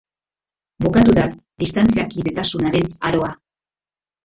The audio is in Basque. Bukatu da distantziakidetasunaren aroa.